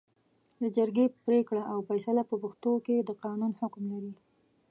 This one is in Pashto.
د جرګې پرېکړه او فېصله په پښتو کې د قانون حکم لري